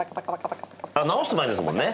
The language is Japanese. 直す前ですもんね。